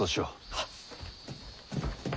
はっ。